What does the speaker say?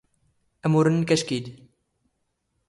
ⴰⵎⵓⵔ ⵏⵏⴽ ⴰⵛⴽⵉ ⴷ.